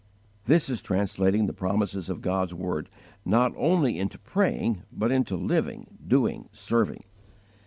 This is translating the promises of God's word, not only into praying, but into living, doing, serving.